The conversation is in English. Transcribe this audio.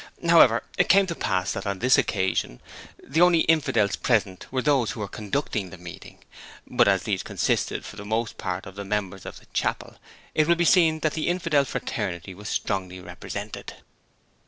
However, it came to pass that on this occasion the only infidels present were those who were conducting the meeting, but as these consisted for the most part of members of the chapel, it will be seen that the infidel fraternity was strongly represented.